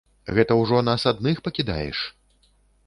Гэта ўжо нас адных пакідаеш?